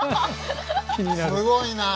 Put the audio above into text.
すごいなあ。